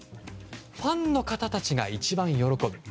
ファンの方たちが一番喜ぶ。